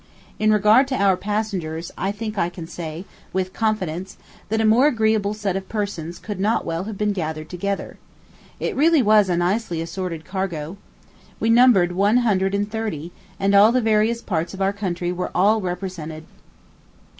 In regard to our passengers, I think I can say, with confidence, that a more agreeable set of persons could not well have been gathered together. It really was a nicely assorted cargo. We numbered one hundred and thirty, and the various parts of our country were all represented.